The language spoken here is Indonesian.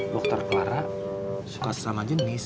dokter clara suka sesama jenis